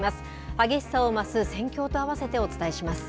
激しさを増す戦況とあわせてお伝えします。